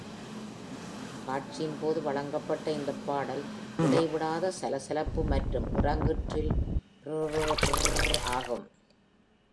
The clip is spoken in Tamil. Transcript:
காட்சியின் போது வழங்கப்பட்ட இந்த பாடல், இடைவிடாத சலசலப்பு மற்றும் இறங்கு ட்ரில் "preer-prr-prr" ஆகும்.